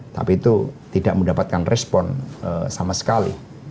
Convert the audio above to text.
tapi itu tidak mendapatkan respon sama sekali